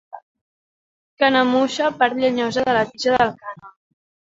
Canemuixa, part llenyosa de la tija del cànem.